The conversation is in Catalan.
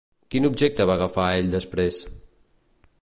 Quin objecte va agafar ell després?